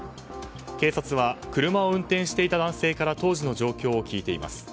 警察は車を運転していた男性から当時の状況を聞いています。